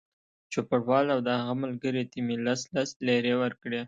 چوپړوال او د هغه ملګري ته مې لس لس لېرې ورکړې.